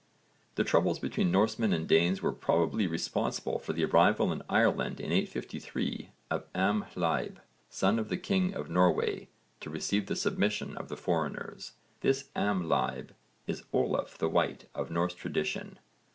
The troubles between Norsemen and Danes were probably responsible for the arrival in Ireland in 853 of Amhlaeibh, son of the king of Norway, to receive the submission of the foreigners. This Amhlaeibh is Olaf the White of Norse tradition.